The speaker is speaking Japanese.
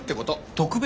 特別？